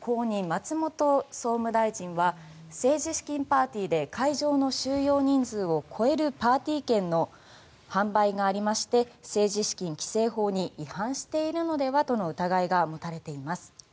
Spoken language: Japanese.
松本総務大臣は政治資金パーティーで会場の収容人数を超えるパーティー券の販売がありまして政治資金規正法に違反しているのではとの疑いが持たれています。